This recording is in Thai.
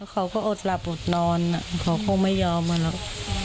เขาก็อดหลับอดนอนเขาคงไม่ยอมมาหรอก